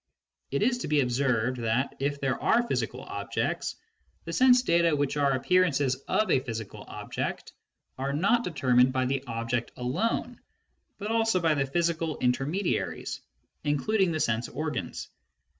It is to be observed that, if there are physical objects, the sense data which are appearances of a physical object are not determined by the ob ject alone but also by the physical intermediaries, including the sense organs.